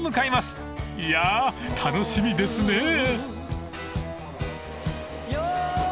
［いやー楽しみですね］